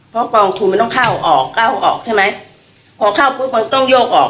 เพราะกองทุนมันต้องเข้าออกเข้าออกใช่ไหมพอเข้าปุ๊บมันก็ต้องโยกออก